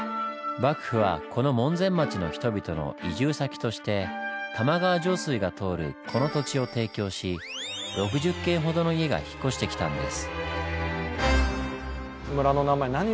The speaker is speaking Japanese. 幕府はこの門前町の人々の移住先として玉川上水が通るこの土地を提供し６０軒ほどの家が引っ越してきたんです。